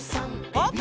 パッ！